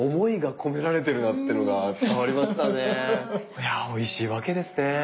いやおいしいわけですね。